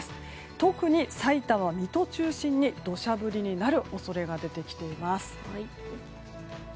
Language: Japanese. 特に、さいたまや水戸を中心に土砂降りになる恐れが出てきています。